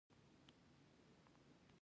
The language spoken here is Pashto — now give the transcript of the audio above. په افغانستان کې دځنګل حاصلات شتون لري.